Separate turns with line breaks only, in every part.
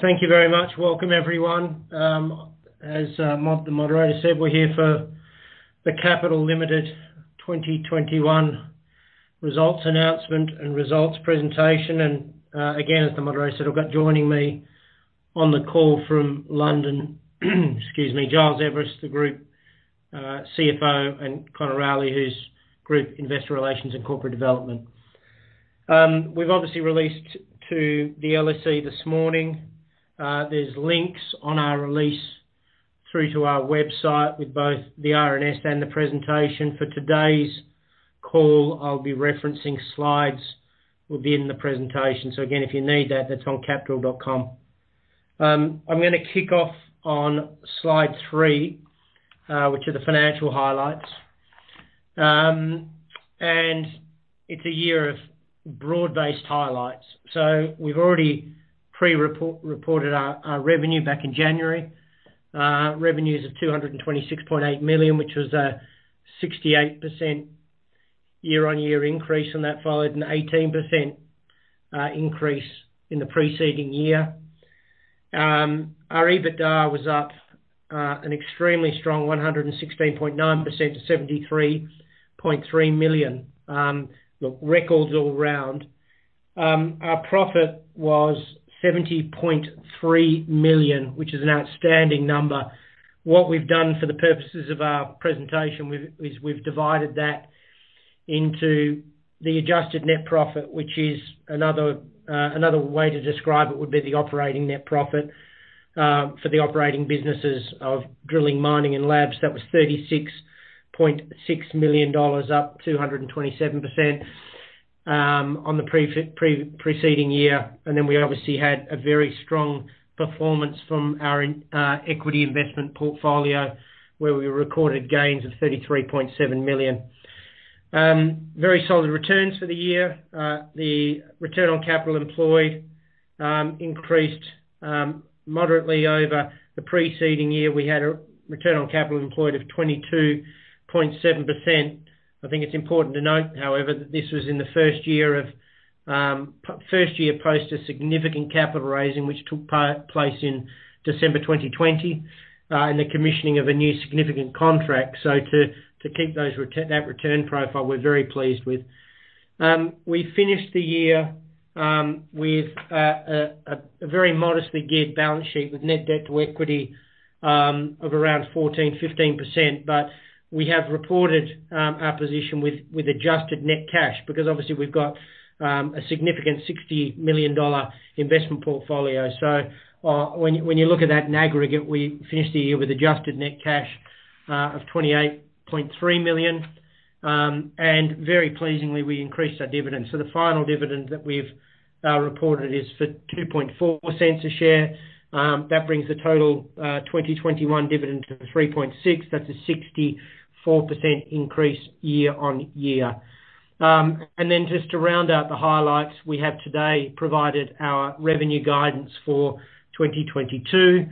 Thank you very much. Welcome everyone. As the moderator said, we're here for the Capital Limited 2021 results announcement and results presentation. Again, as the moderator said, I've got joining me on the call from London, excuse me, Giles Everist, the group CFO, and Conor Rowley, who's group investor relations and corporate development. We've obviously released to the LSE this morning. There's links on our release through to our website with both the RNS and the presentation. For today's call, I'll be referencing slides, will be in the presentation. Again, if you need that's on capdrill.com. I'm gonna kick off on slide three, which are the financial highlights. It's a year of broad-based highlights. We've already pre-reported our revenue back in January. Revenues of $226.8 million, which was a 68% year-on-year increase on that, followed an 18% increase in the preceding year. Our EBITDA was up an extremely strong 116.9% to $73.3 million. Look, records all round. Our profit was $70.3 million, which is an outstanding number. What we've done for the purposes of our presentation is we've divided that into the adjusted net profit, which is another way to describe it would be the operating net profit for the operating businesses of drilling, mining, and labs. That was $36.6 million, up 227% on the preceding year. We obviously had a very strong performance from our equity investment portfolio, where we recorded gains of $33.7 million. Very solid returns for the year. The return on capital employed increased moderately over the preceding year. We had a return on capital employed of 22.7%. I think it's important to note, however, that this was in the first year post a significant capital raising, which took place in December 2020, and the commissioning of a new significant contract. To keep that return profile, we're very pleased with. We finished the year with a very modestly geared balance sheet with net debt to equity of around 14%-15%. We have reported our position with adjusted net cash because obviously we've got a significant $60 million investment portfolio. When you look at that in aggregate, we finished the year with adjusted net cash of $28.3 million. Very pleasingly, we increased our dividend. The final dividend that we've reported is for $0.024 a share. That brings the total 2021 dividend to $0.036. That's a 64% increase year-over-year. Just to round out the highlights we have today provided our revenue guidance for 2022.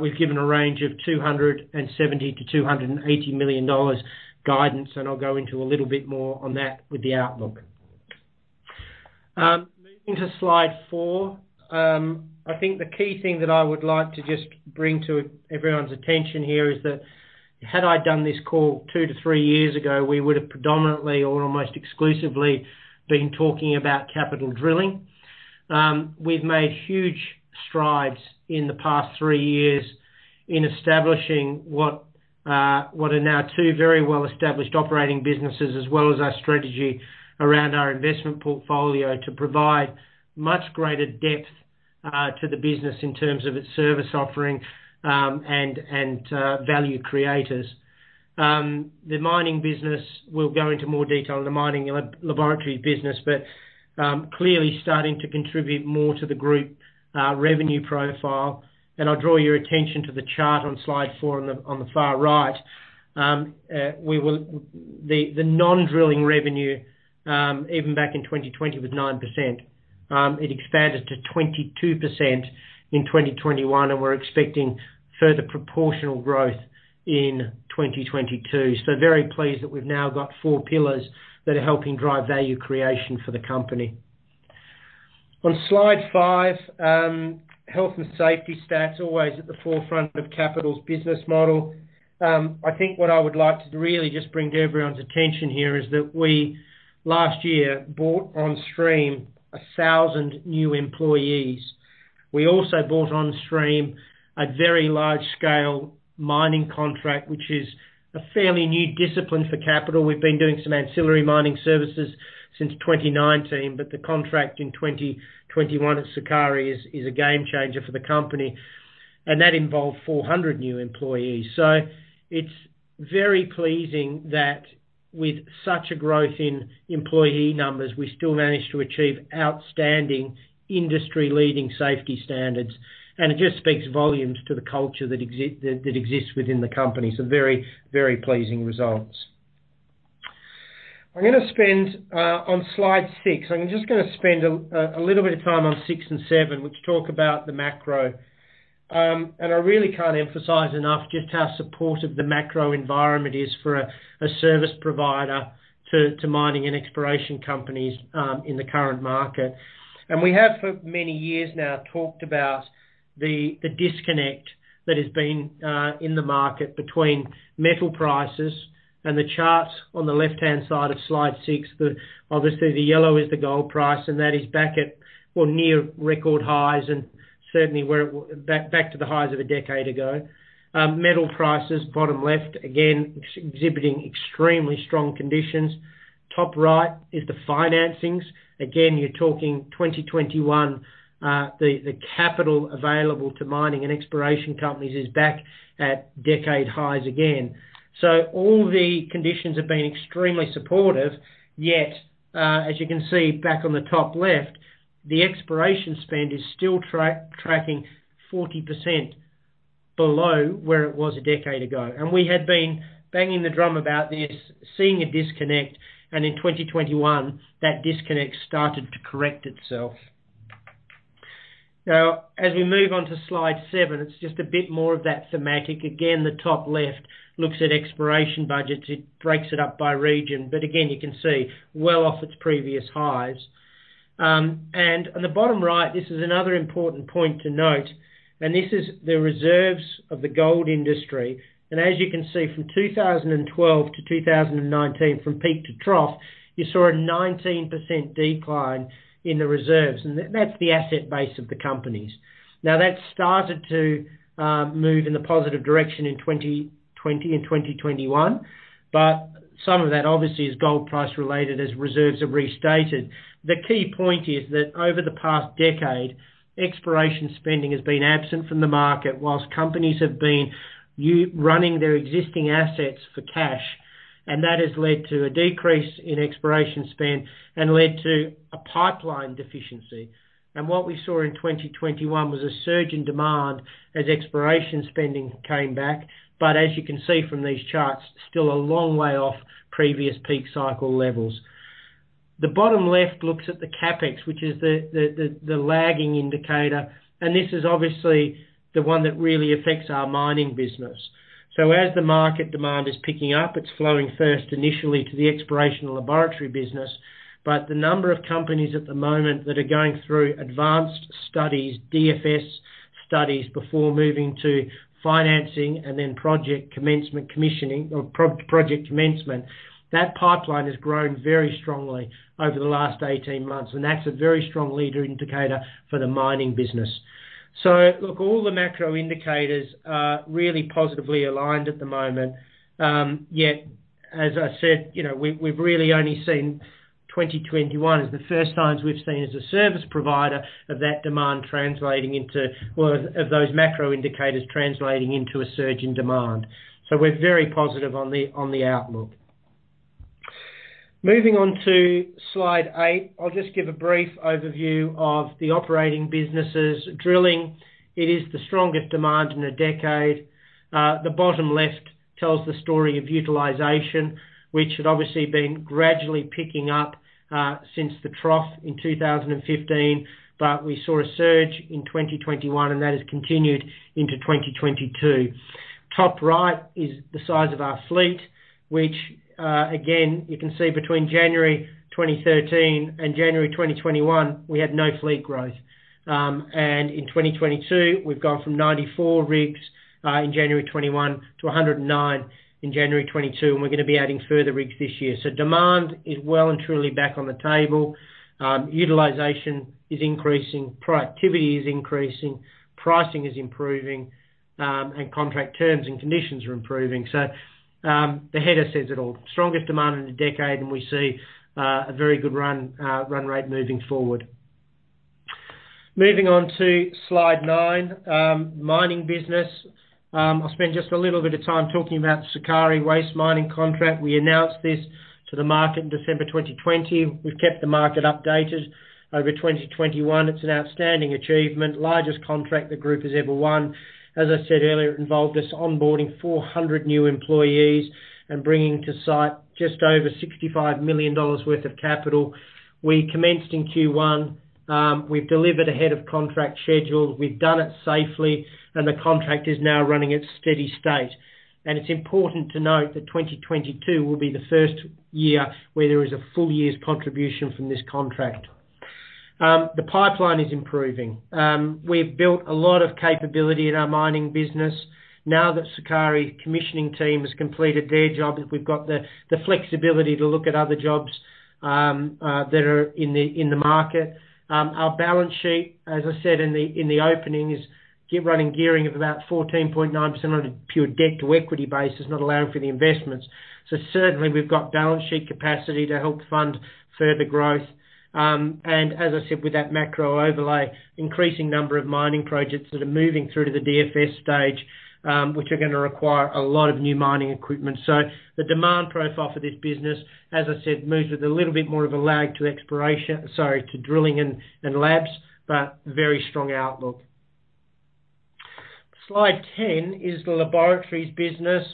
We've given a range of $270 million-$280 million guidance, and I'll go into a little bit more on that with the outlook. Moving to slide four, I think the key thing that I would like to just bring to everyone's attention here is that had I done this call 2-3 years ago, we would have predominantly or almost exclusively been talking about Capital Drilling. We've made huge strides in the past 3 years in establishing what are now two very well-established operating businesses, as well as our strategy around our investment portfolio to provide much greater depth to the business in terms of its service offering, and value creators. The mining business, we'll go into more detail in the mining laboratory business, but clearly starting to contribute more to the group revenue profile. I'll draw your attention to the chart on slide four on the far right. We will... The non-drilling revenue even back in 2020 was 9%. It expanded to 22% in 2021, and we're expecting further proportional growth in 2022. Very pleased that we've now got four pillars that are helping drive value creation for the company. On slide five, health and safety stats always at the forefront of Capital's business model. I think what I would like to really just bring to everyone's attention here is that we last year brought on stream 1,000 new employees. We also brought on stream a very large scale mining contract, which is a fairly new discipline for Capital. We've been doing some ancillary mining services since 2019, but the contract in 2021 at Sukari is a game changer for the company, and that involved 400 new employees. It's very pleasing that with such a growth in employee numbers, we still managed to achieve outstanding industry-leading safety standards. It just speaks volumes to the culture that exists within the company. Very pleasing results. I'm gonna spend on slide six. I'm just gonna spend a little bit of time on six and seven, which talk about the macro, and I really can't emphasize enough just how supportive the macro environment is for a service provider to mining and exploration companies in the current market. We have for many years now talked about the disconnect that has been in the market between metal prices and the charts on the left-hand side of slide six. Obviously, the yellow is the gold price, and that is back at or near record highs and certainly back to the highs of a decade ago. Metal prices, bottom left, again, exhibiting extremely strong conditions. Top right is the financings. Again, you're talking 2021, the capital available to mining and exploration companies is back at decade highs again. All the conditions have been extremely supportive, yet as you can see back on the top left, the exploration spend is still tracking 40% below where it was a decade ago. We had been banging the drum about this, seeing a disconnect, and in 2021, that disconnect started to correct itself. Now, as we move on to slide seven, it's just a bit more of that thematic. Again, the top left looks at exploration budgets. It breaks it up by region. Again, you can see well off its previous highs. On the bottom right, this is another important point to note, and this is the reserves of the gold industry. As you can see, from 2012 to 2019, from peak to trough, you saw a 19% decline in the reserves, and that's the asset base of the companies. Now, that started to move in a positive direction in 2020 and 2021, but some of that obviously is gold price related as reserves have restated. The key point is that over the past decade, exploration spending has been absent from the market while companies have been running their existing assets for cash, and that has led to a decrease in exploration spend and led to a pipeline deficiency. What we saw in 2021 was a surge in demand as exploration spending came back. As you can see from these charts, still a long way off previous peak cycle levels. The bottom left looks at the CapEx, which is the lagging indicator, and this is obviously the one that really affects our mining business. As the market demand is picking up, it's flowing first initially to the exploration and laboratory business. The number of companies at the moment that are going through advanced studies, DFS studies before moving to financing and then project commencement commissioning or pro-project commencement, that pipeline has grown very strongly over the last 18 months, and that's a very strong leader indicator for the mining business. Look, all the macro indicators are really positively aligned at the moment. Yet, as I said, you know, we've really only seen 2021 as the first signs we've seen as a service provider of that demand translating into, or of those macro indicators translating into a surge in demand. We're very positive on the outlook. Moving on to slide eight. I'll just give a brief overview of the operating businesses. Drilling, it is the strongest demand in a decade. The bottom left tells the story of utilization, which had obviously been gradually picking up since the trough in 2015. We saw a surge in 2021, and that has continued into 2022. Top right is the size of our fleet, which, again, you can see between January 2013 and January 2021, we had no fleet growth. In 2022, we've gone from 94 rigs in January 2021 to 109 in January 2022, and we're gonna be adding further rigs this year. Demand is well and truly back on the table. Utilization is increasing, productivity is increasing, pricing is improving, and contract terms and conditions are improving. The header says it all. Strongest demand in a decade, and we see a very good run rate moving forward. Moving on to slide nine. Mining business. I'll spend just a little bit of time talking about the Sukari waste mining contract. We announced this to the market in December 2020. We've kept the market updated over 2021. It's an outstanding achievement. Largest contract the group has ever won. As I said earlier, it involved us onboarding 400 new employees and bringing to site just over $65 million worth of capital. We commenced in Q1. We've delivered ahead of contract schedule. We've done it safely, and the contract is now running at steady state. It's important to note that 2022 will be the first year where there is a full year's contribution from this contract. The pipeline is improving. We've built a lot of capability in our mining business. Now that Sukari commissioning team has completed their job, we've got the flexibility to look at other jobs that are in the market. Our balance sheet, as I said in the opening, is kept running gearing of about 14.9% on a pure debt to equity basis, not allowing for the investments. Certainly we've got balance sheet capacity to help fund further growth. As I said, with that macro overlay, increasing number of mining projects that are moving through to the DFS stage, which are gonna require a lot of new mining equipment. The demand profile for this business, as I said, moves with a little bit more of a lag to drilling and labs, but very strong outlook. Slide 10 is the laboratories business.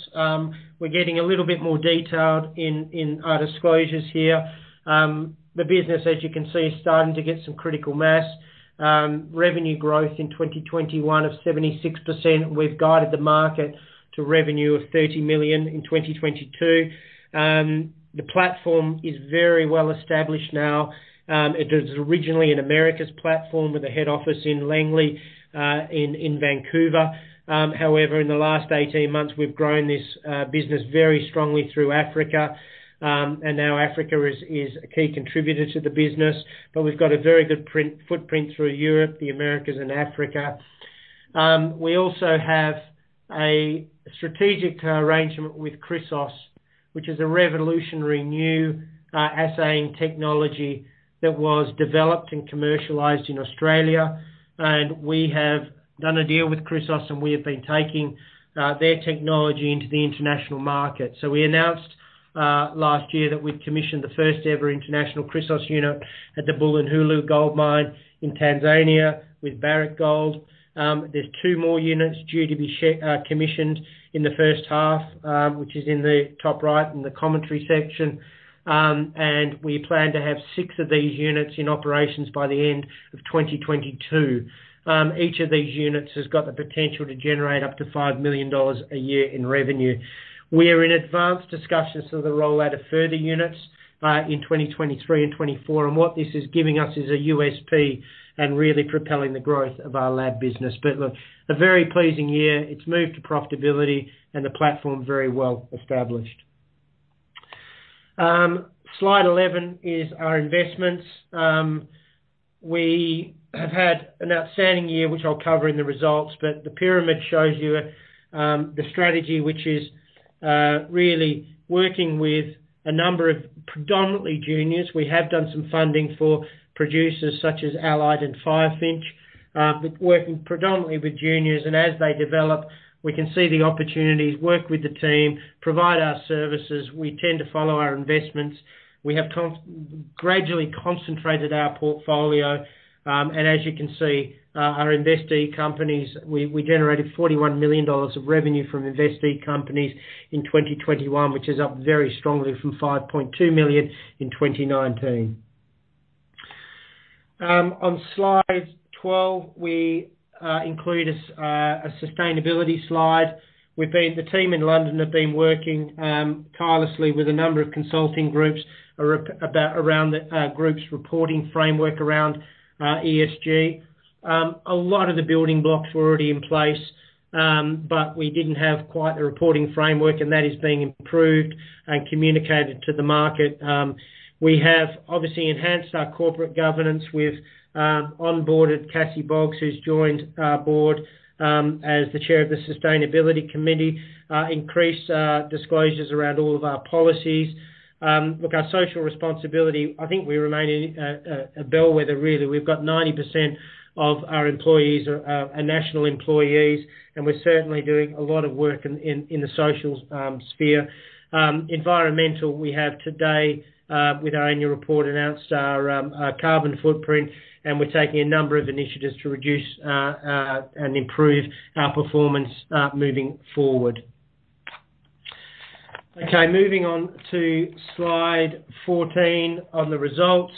We're getting a little bit more detailed in our disclosures here. The business, as you can see, is starting to get some critical mass. Revenue growth in 2021 of 76%. We've guided the market to revenue of $30 million in 2022. The platform is very well established now. It was originally an Americas platform with the head office in Langley, in Vancouver. However, in the last 18 months, we've grown this business very strongly through Africa. Now Africa is a key contributor to the business. We've got a very good footprint through Europe, the Americas and Africa. We also have a strategic arrangement with Chrysos, which is a revolutionary new assaying technology that was developed and commercialized in Australia. We have done a deal with Chrysos, and we have been taking their technology into the international market. We announced last year that we'd commissioned the first-ever international Chrysos unit at the Bulyanhulu Gold Mine in Tanzania with Barrick Gold. There's 2 more units due to be commissioned in the first half, which is in the top right in the commentary section. We plan to have 6 of these units in operations by the end of 2022. Each of these units has got the potential to generate up to $5 million a year in revenue. We are in advanced discussions for the rollout of further units in 2023 and 2024, and what this is giving us is a USP and really propelling the growth of our lab business. Look, a very pleasing year. It's moved to profitability and the platform very well established. Slide 11 is our investments. We have had an outstanding year, which I'll cover in the results. The pyramid shows you the strategy which is really working with a number of predominantly juniors. We have done some funding for producers such as Allied and Firefinch, but working predominantly with juniors. As they develop, we can see the opportunities, work with the team, provide our services. We tend to follow our investments. We have gradually concentrated our portfolio. As you can see, our investee companies, we generated $41 million of revenue from investee companies in 2021, which is up very strongly from $5.2 million in 2019. On slide 12, we include a sustainability slide. The team in London have been working tirelessly with a number of consulting groups around the group's reporting framework around ESG. A lot of the building blocks were already in place, but we didn't have quite the reporting framework, and that is being improved and communicated to the market. We have obviously enhanced our corporate governance. We've onboarded Cassie Boggs, who's joined our board, as the chair of the sustainability committee, increased disclosures around all of our policies. Look, our social responsibility, I think we remain a bellwether really. We've got 90% of our employees are national employees, and we're certainly doing a lot of work in the social sphere. Environmental, we have today with our annual report, announced our carbon footprint, and we're taking a number of initiatives to reduce and improve our performance moving forward. Okay, moving on to slide 14 on the results.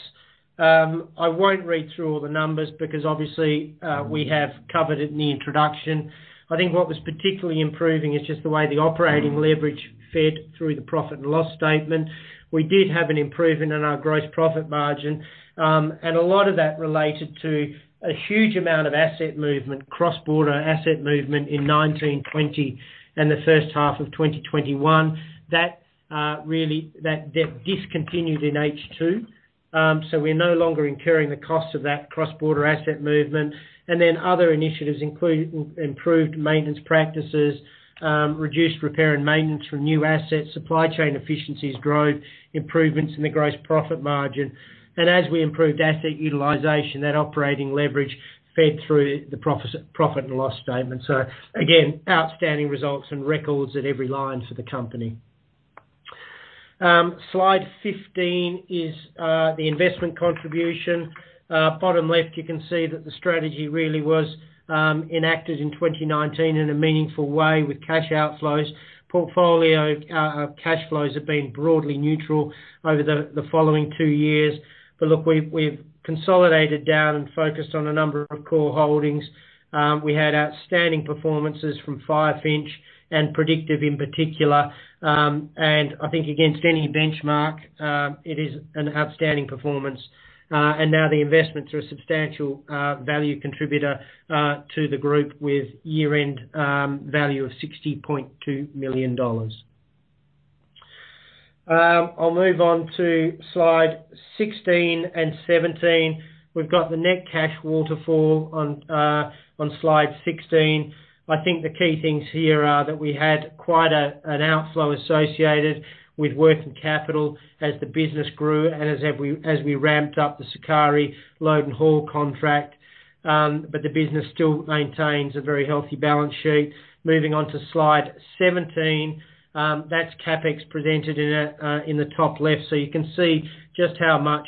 I won't read through all the numbers because obviously, we have covered it in the introduction. I think what was particularly improving is just the way the operating leverage fed through the profit and loss statement. We did have an improvement in our gross profit margin, and a lot of that related to a huge amount of asset movement, cross-border asset movement in 2020 and the first half of 2021. That really discontinued in H2. So we're no longer incurring the cost of that cross-border asset movement. Then other initiatives improved maintenance practices, reduced repair and maintenance from new assets, supply chain efficiencies drove improvements in the gross profit margin. As we improved asset utilization, that operating leverage fed through the profit and loss statement. Again, outstanding results and records at every line for the company. Slide 15 is the investment contribution. Bottom left, you can see that the strategy really was enacted in 2019 in a meaningful way with cash outflows. Portfolio cash flows have been broadly neutral over the following 2 years. Look, we've consolidated down and focused on a number of core holdings. We had outstanding performances from Firefinch and Predictive in particular. I think against any benchmark, it is an outstanding performance. Now the investments are a substantial value contributor to the group with year-end value of $60.2 million. I'll move on to slide 16 and 17. We've got the net cash waterfall on slide 16. I think the key things here are that we had an outflow associated with working capital as the business grew and as we ramped up the Sukari load and haul contract. The business still maintains a very healthy balance sheet. Moving on to slide 17, that's CapEx presented in the top left. So you can see just how much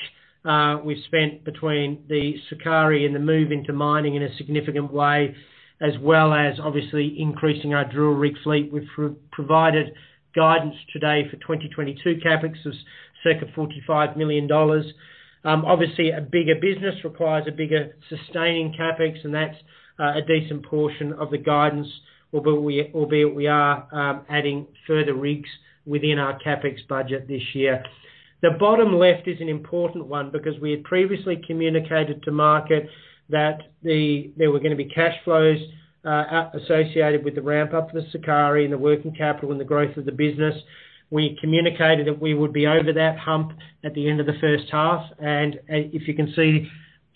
we spent between the Sukari and the move into mining in a significant way, as well as obviously increasing our drill rig fleet. We've provided guidance today for 2022 CapEx of circa $45 million. Obviously, a bigger business requires a bigger sustaining CapEx, and that's a decent portion of the guidance, albeit we are adding further rigs within our CapEx budget this year. The bottom left is an important one because we had previously communicated to market that there were gonna be cash flows out, associated with the ramp up of the Sukari and the working capital and the growth of the business. We communicated that we would be over that hump at the end of the first half. If you can see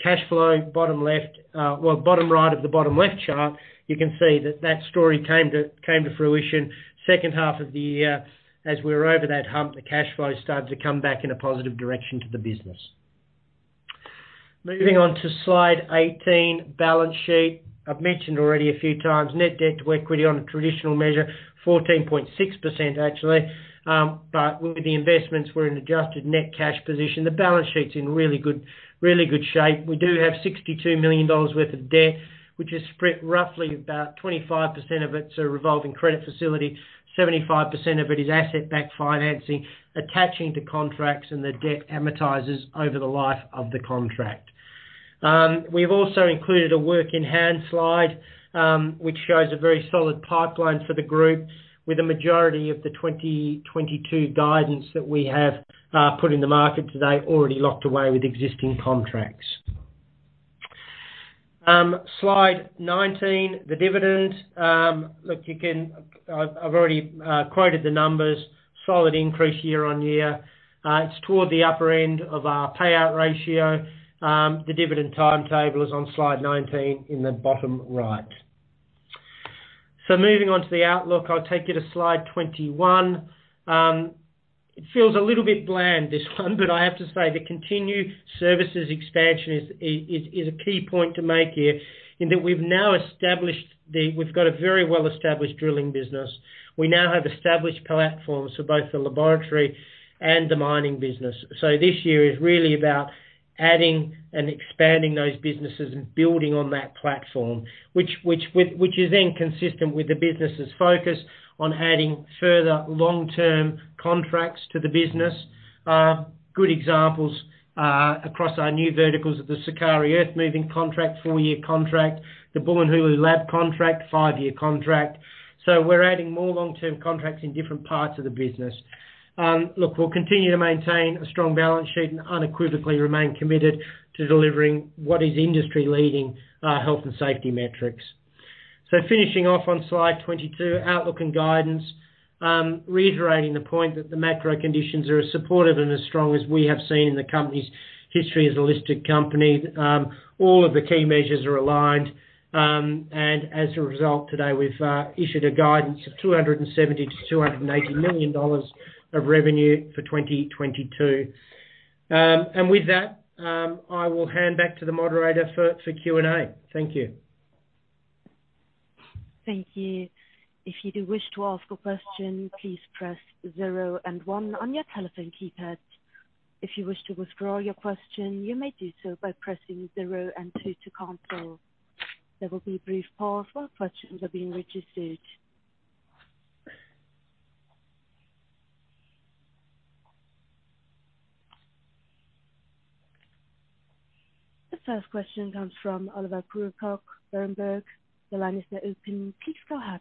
cash flow bottom left, well, bottom right of the bottom left chart, you can see that that story came to fruition second half of the year. As we were over that hump, the cash flow started to come back in a positive direction to the business. Moving on to slide 18, balance sheet. I've mentioned already a few times, net debt to equity on a traditional measure, 14.6% actually. But with the investments we're in adjusted net cash position. The balance sheet's in really good shape. We do have $62 million worth of debt, which is spread roughly about 25% of it to a revolving credit facility, 75% of it is asset-backed financing attaching to contracts and the debt amortizes over the life of the contract. We've also included a work in hand slide, which shows a very solid pipeline for the group with the majority of the 2022 guidance that we have put in the market today already locked away with existing contracts. Slide 19, the dividend. Look, I've already quoted the numbers. Solid increase year-on-year. It's toward the upper end of our payout ratio. The dividend timetable is on slide 19 in the bottom right. Moving on to the outlook, I'll take you to slide 21. It feels a little bit bland, this one, but I have to say the continued services expansion is a key point to make here in that we've now established. We've got a very well-established drilling business. We now have established platforms for both the laboratory and the mining business. This year is really about adding and expanding those businesses and building on that platform, which is then consistent with the business' focus on adding further long-term contracts to the business. Good examples are across our new verticals of the Sukari earthmoving contract, 4-year contract. The Bulyanhulu lab contract, 5-year contract. We're adding more long-term contracts in different parts of the business. Look, we'll continue to maintain a strong balance sheet and unequivocally remain committed to delivering what is industry-leading health and safety metrics. Finishing off on slide 22, outlook and guidance. Reiterating the point that the macro conditions are as supportive and as strong as we have seen in the company's history as a listed company. All of the key measures are aligned. As a result today, we've issued a guidance of $270 million-$280 million of revenue for 2022. With that, I will hand back to the moderator for Q&A. Thank you.
Thank you. If you do wish to ask a question, please press zero and one on your telephone keypad. If you wish to withdraw your question, you may do so by pressing zero and two to cancel. There will be a brief pause while questions are being registered. The first question comes from Oliver Prückluck, Berenberg. The line is now open. Please go ahead.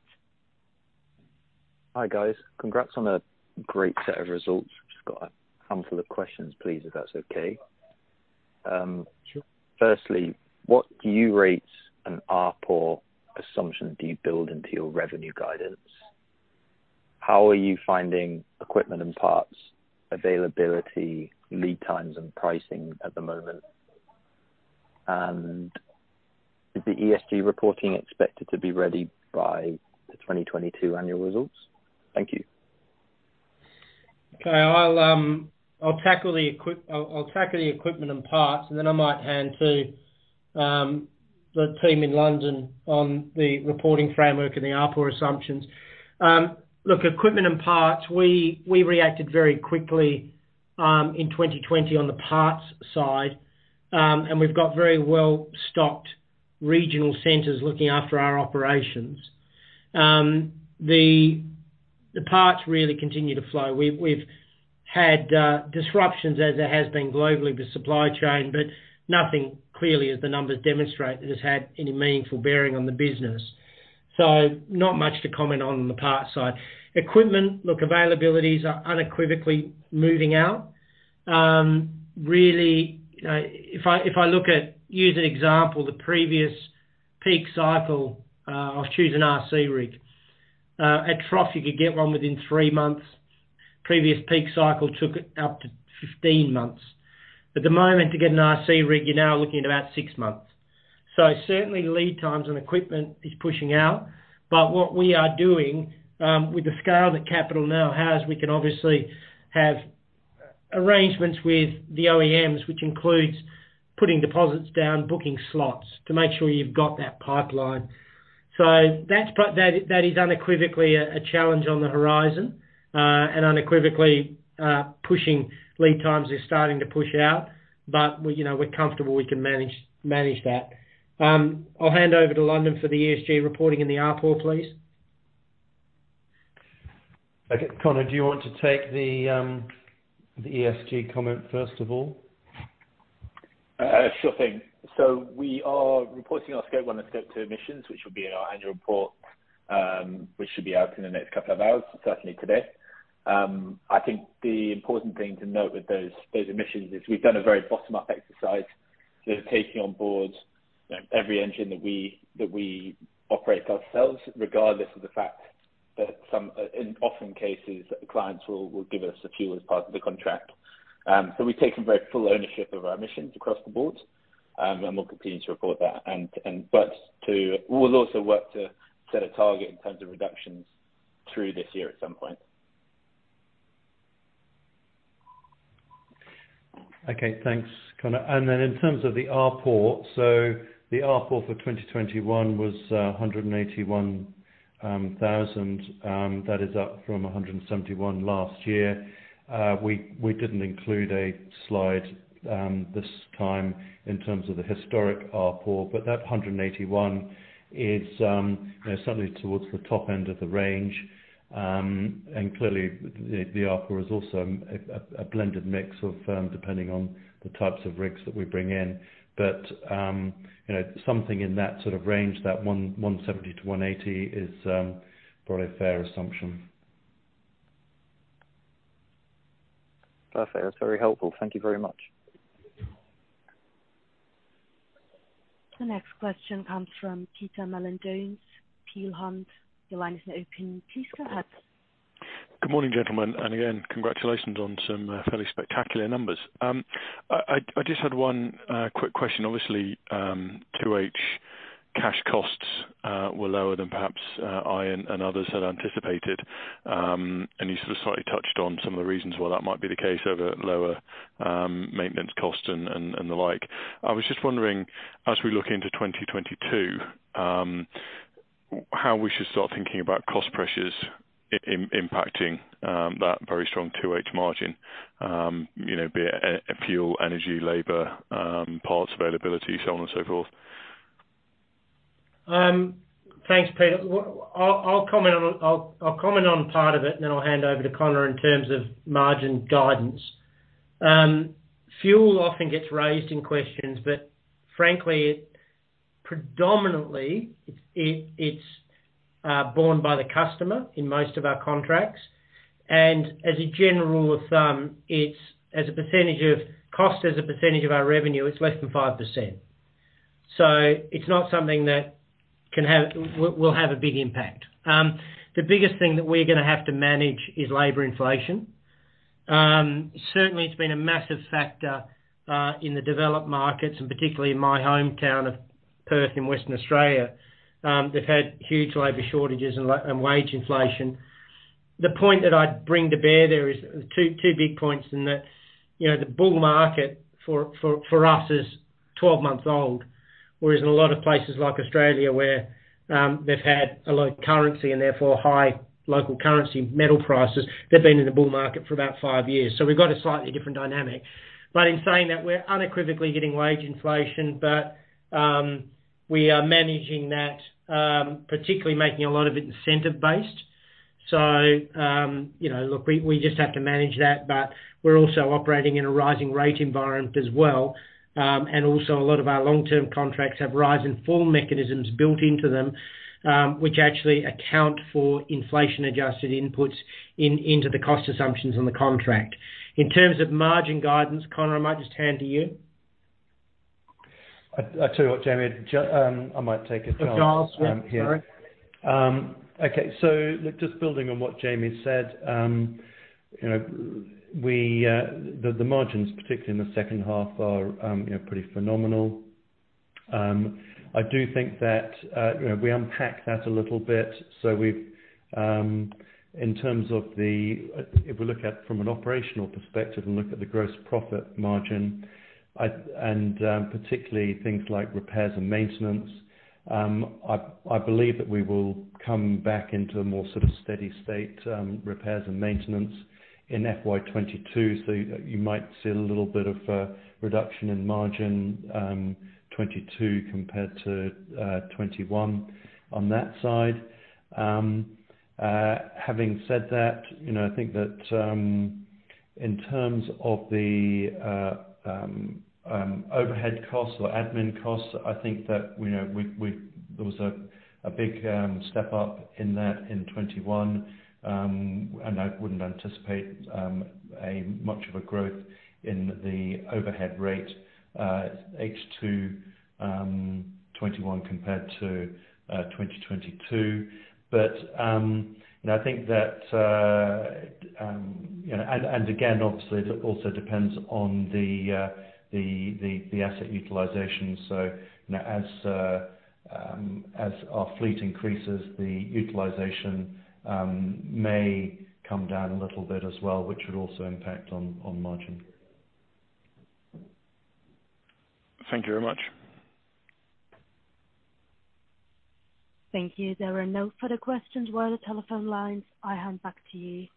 Hi, guys. Congrats on a great set of results. Just got a handful of questions, please, if that's okay.
Sure.
Firstly, what's the ARPU assumption you build into your revenue guidance? How are you finding equipment and parts availability, lead times, and pricing at the moment? Is the ESG reporting expected to be ready by the 2022 annual results? Thank you.
Okay. I'll tackle the equipment and parts, and then I might hand to the team in London on the reporting framework and the ARPU assumptions. Look, equipment and parts, we reacted very quickly in 2020 on the parts side. We've got very well-stocked regional centers looking after our operations. The parts really continue to flow. We've had disruptions as there has been globally with supply chain, but nothing clearly as the numbers demonstrate that has had any meaningful bearing on the business. Not much to comment on the parts side. Equipment, look, availabilities are unequivocally moving out. Really, you know, if I look at, use an example, the previous peak cycle, I was choosing RC rig. At trough you could get one within three months. Previous peak cycle took it up to 15 months. At the moment, to get an RC rig, you're now looking at about six months. Certainly lead times on equipment is pushing out. What we are doing, with the scale that Capital now has, we can obviously have arrangements with the OEMs, which includes putting deposits down, booking slots to make sure you've got that pipeline. That's that is unequivocally a challenge on the horizon, and unequivocally pushing lead times is starting to push out. We, we're comfortable we can manage that. I'll hand over to London for the ESG reporting and the ARPU, please.
Okay. Conor, do you want to take the ESG comment first of all?
Sure thing. We are reporting our Scope one and Scope two emissions, which will be in our annual report, which should be out in the next couple of hours, certainly today. I think the important thing to note with those emissions is we've done a very bottom-up exercise. Taking on board, you know, every engine that we operate ourselves, regardless of the fact that some in most cases, clients will give us the fuel as part of the contract. We've taken very full ownership of our emissions across the board. We'll continue to report that. We'll also work to set a target in terms of reductions through this year at some point.
Okay, thanks, Conor. In terms of the ARPU, so the ARPU for 2021 was $181 thousand. That is up from $171 thousand last year. We didn't include a slide this time in terms of the historic ARPU. That 181 is, you know, solidly towards the top end of the range. Clearly, the ARPU is also a blended mix of depending on the types of rigs that we bring in. You know, something in that sort of range, that 170-180 is probably a fair assumption.
Perfect. That's very helpful. Thank you very much.
The next question comes from Peter Mallin-Jones, Peel Hunt. Your line is now open. Please go ahead.
Good morning, gentlemen, and again, congratulations on some fairly spectacular numbers. I just had one quick question. Obviously, 2H cash costs were lower than perhaps I and others had anticipated. You sort of slightly touched on some of the reasons why that might be the case over lower maintenance costs and the like. I was just wondering, as we look into 2022, how we should start thinking about cost pressures impacting that very strong 2H margin, you know, be it fuel, energy, labor, parts availability, so on and so forth.
Thanks, Peter. I'll comment on part of it, and then I'll hand over to Conor in terms of margin guidance. Fuel often gets raised in questions, but frankly, predominantly, it's borne by the customer in most of our contracts. As a general rule of thumb, it's as a percentage of cost, as a percentage of our revenue, it's less than 5%. It's not something that will have a big impact. The biggest thing that we're gonna have to manage is labor inflation. Certainly it's been a massive factor in the developed markets, and particularly in my hometown of Perth in Western Australia, they've had huge labor shortages and wage inflation. The point that I'd bring to bear there is two big points. That, you know, the bull market for us is 12 months old, whereas in a lot of places like Australia where they've had a low currency and therefore high local currency metal prices, they've been in a bull market for about five years. We've got a slightly different dynamic. In saying that, we're unequivocally getting wage inflation. We are managing that, particularly making a lot of it incentive-based. You know, look, we just have to manage that. We're also operating in a rising rate environment as well. Also a lot of our long-term contracts have rise and fall mechanisms built into them, which actually account for inflation-adjusted inputs into the cost assumptions on the contract. In terms of margin guidance, Conor, I might just hand to you.
I tell you what, Jamie, I might take a chance.
A chance. Yeah. Sorry.
Okay. Just building on what Jamie said, you know, we, the margins, particularly in the second half are, you know, pretty phenomenal. I do think that, you know, we unpacked that a little bit, so we've in terms of the. If we look at from an operational perspective and look at the gross profit margin, and particularly things like repairs and maintenance, I believe that we will come back into a more sort of steady state, repairs and maintenance in FY 2022. You might see a little bit of a reduction in margin, 2022 compared to 2021 on that side. Having said that, you know, I think that in terms of the overhead costs or admin costs, I think that, you know, we. There was a big step up in that in 2021. I wouldn't anticipate much of a growth in the overhead rate H2 2021 compared to 2022. I think that again, obviously it also depends on the asset utilization. You know, as our fleet increases, the utilization may come down a little bit as well, which would also impact on margin.
Thank you very much.
Thank you. There are no further questions at this time. I hand back to you.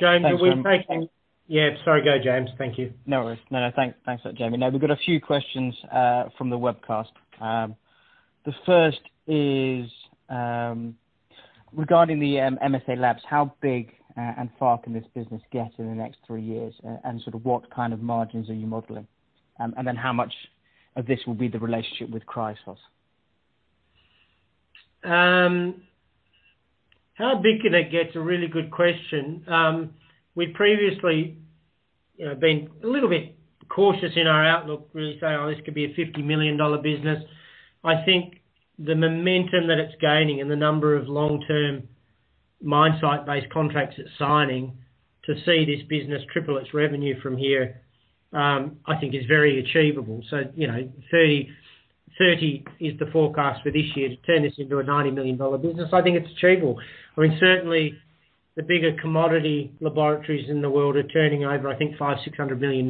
James, are we facing?
Thanks, Emma.
Yeah. Sorry, go James. Thank you.
No worries. No, thanks. Thanks for that, Jamie. Now, we've got a few questions from the webcast. The first is regarding the MSALABS labs, how big and far can this business get in the next three years? Sort of what kind of margins are you modeling? And then how much of this will be the relationship with Chrysos?
How big can it get is a really good question. We've previously, you know, been a little bit cautious in our outlook, really saying, "Oh, this could be a $50 million business." I think the momentum that it's gaining and the number of long-term mine site-based contracts it's signing to see this business triple its revenue from here, I think is very achievable. So, you know, 30 is the forecast for this year. To turn this into a $90 million business, I think it's achievable. I mean, certainly the bigger commodity laboratories in the world are turning over, I think, $500-$600 million.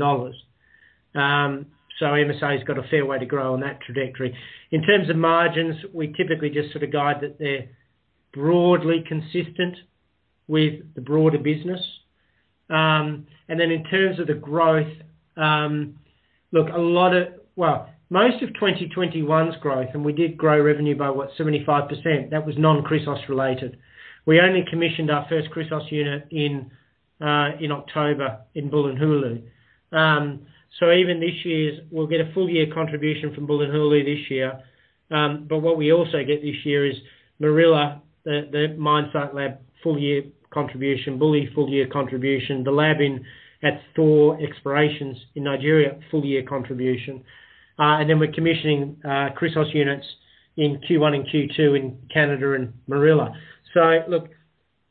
So MSA has got a fair way to grow on that trajectory. In terms of margins, we typically just sort of guide that they're broadly consistent with the broader business. In terms of the growth, well, most of 2021's growth, and we did grow revenue by what? 75%, that was non-Chrysos related. We only commissioned our first Chrysos unit in October in Bulyanhulu. Even this year's, we'll get a full year contribution from Bulyanhulu this year. But what we also get this year is Morila, the mine site lab full year contribution, Bulyanhulu full year contribution, the lab at Thor Explorations in Nigeria full year contribution. Then we're commissioning Chrysos units in Q1 and Q2 in Canada and Morila. Look,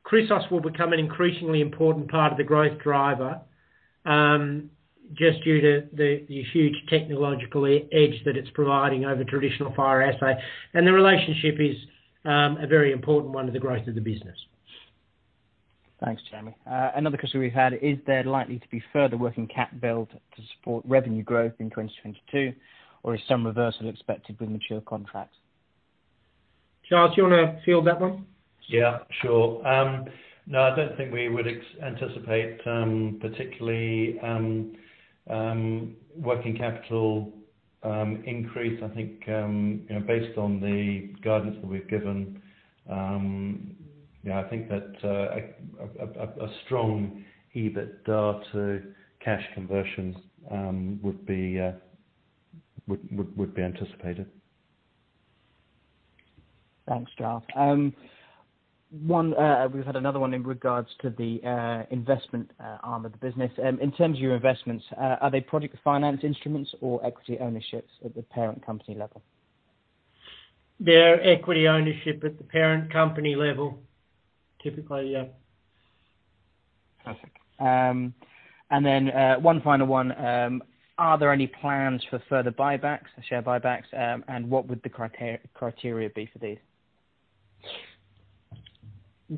Chrysos will become an increasingly important part of the growth driver, just due to the huge technological edge that it's providing over traditional fire assay. The relationship is a very important one to the growth of the business.
Thanks, Jamie. Another question we've had, is there likely to be further working cap build to support revenue growth in 2022? Or is some reversal expected with mature contracts?
Giles, do you wanna field that one?
Yeah, sure. No, I don't think we would anticipate particularly working capital increase. I think, you know, based on the guidance that we've given, yeah, I think that a strong EBITDA to cash conversion would be anticipated.
Thanks, Giles. We've had another one in regards to the investment arm of the business. In terms of your investments, are they project finance instruments or equity ownerships at the parent company level?
Their equity ownership at the parent company level, typically, yeah.
Perfect. Then, one final one. Are there any plans for further buybacks, share buybacks? What would the criteria be for these?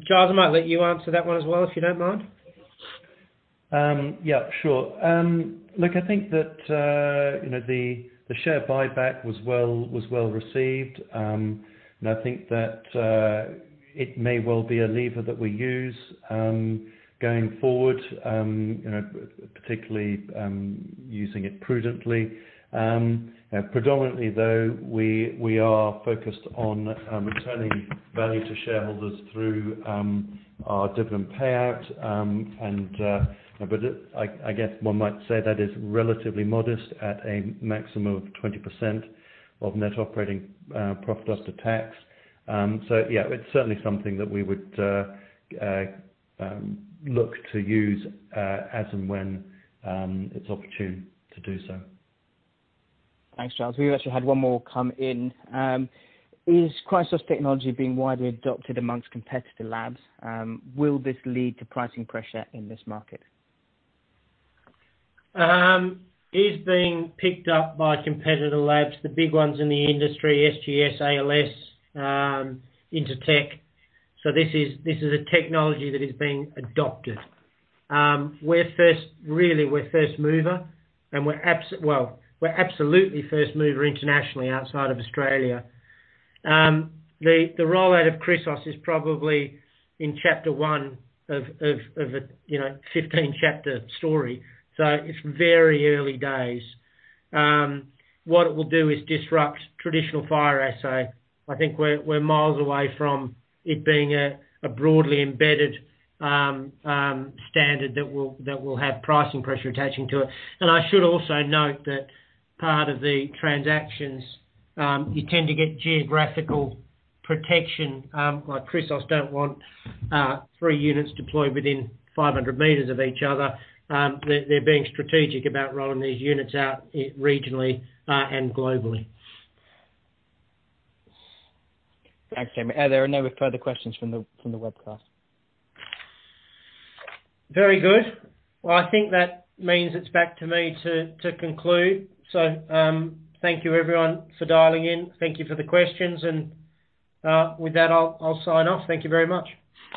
Giles, I might let you answer that one as well, if you don't mind.
Yeah, sure. Look, I think that, you know, the share buyback was well received. I think that it may well be a lever that we use going forward, you know, particularly using it prudently. Predominantly though, we are focused on returning value to shareholders through our dividend payout. But it, I guess one might say, is relatively modest at a maximum of 20% of net operating profit after tax. Yeah, it's certainly something that we would look to use as and when it's opportune to do so.
Thanks, Giles. We've actually had one more come in. Is Chrysos technology being widely adopted among competitor labs? Will this lead to pricing pressure in this market?
It's being picked up by competitor labs, the big ones in the industry, SGS, ALS, Intertek. It's a technology that is being adopted. We're really first mover and we're absolutely first mover internationally outside of Australia. The rollout of Chrysos is probably in chapter one of a, you know, 15-chapter story. It's very early days. What it will do is disrupt traditional fire assay. I think we're miles away from it being a broadly embedded standard that will have pricing pressure attaching to it. I should also note that part of the transactions, you tend to get geographical protection. Like Chrysos don't want three units deployed within 500 meters of each other. They're being strategic about rolling these units out, regionally, and globally.
Thanks, Jamie. There are no further questions from the webcast.
Very good. Well, I think that means it's back to me to conclude. Thank you everyone for dialing in. Thank you for the questions. With that, I'll sign off. Thank you very much.